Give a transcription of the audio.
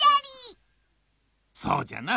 そうじゃな。